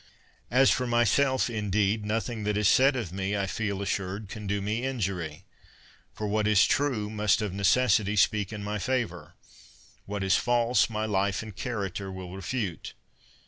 As for myself, indeed, nothing that is said of me, I feel assured, can do me injury; for what is true, must of necessity speak in my favor; 46 CAIUS MARIUS what is false, my life and character will refute.